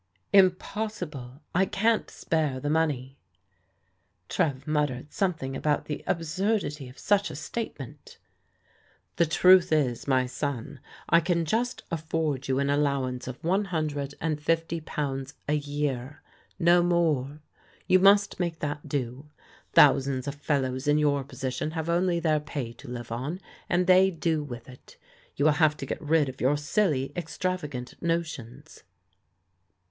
" Impossible. I can't spare the money." Trev muttered something about the "absurdity of such a statement." " The truth is, my son, I can just afford you an allow ance of one hundred and fifty pounds a year — no more. You must make that do. Thousands of fellows in your position have only their pay to live on, and they do with it. You will have to get rid of your silly, extravagant notions."